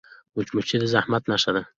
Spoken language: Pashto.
مچمچۍ د زحمت نښه ده